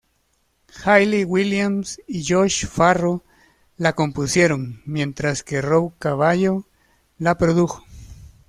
Hayley Williams y Josh Farro la compusieron, mientras que Rob Cavallo la produjo.